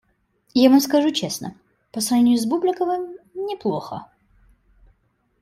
Я Вам скажу честно: по сравнению с Бубликовым - неплохо.